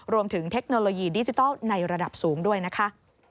เทคโนโลยีดิจิทัลในระดับสูงด้วยนะคะ